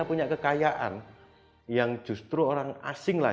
punya kekayaan yang justru orang asing lah